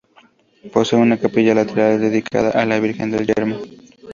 Posee en una capilla lateral dedicada a la "Virgen del Yermo".